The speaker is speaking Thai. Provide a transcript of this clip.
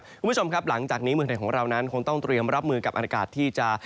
คุณผู้ชมครับหลังจากนี้เมืองไทยของเรานั้นคงต้องเตรียมรับมือกับอากาศที่จะ